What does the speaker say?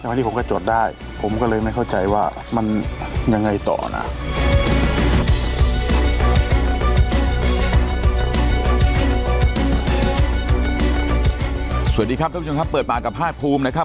สวัสดีครับทุกผู้ชมครับเปิดปากกับภาคภูมินะครับ